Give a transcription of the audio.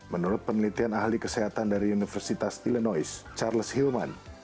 menurut penelitian ahli kesehatan dari universitas illinois charles hillman